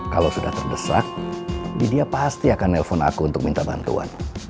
kalau sudah terdesak dia pasti akan nelfon aku untuk minta bantuan